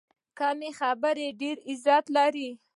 کمې خبرې، ډېر عزت لري.